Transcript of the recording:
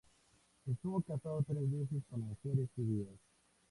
Estuvo casado tres veces con mujeres judías.